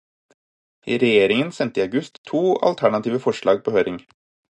Regjeringen sendte i august to alternative forslag på høring.